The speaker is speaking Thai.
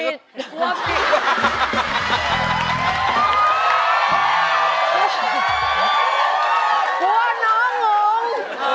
กลัวน้องงง